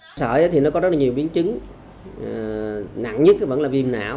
bệnh sởi thì nó có rất nhiều biến chứng nặng nhất vẫn là viêm não